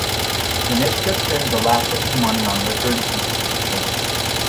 Venichka spends the last of his money on liquor and food for the journey.